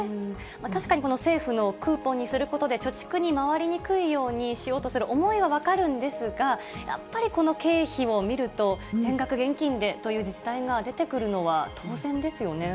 確かにこの政府のクーポンにすることで、貯蓄に回りにくいようにする思いは分かるんですが、やっぱりこの経費を見ると、全額現金でという自治体が出てくるのは当然ですよね。